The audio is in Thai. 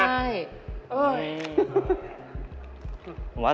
ใช่